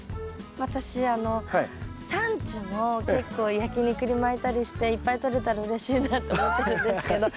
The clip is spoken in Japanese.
私あのサンチュも結構焼き肉に巻いたりしていっぱいとれたらうれしいなと思ってるんですけど。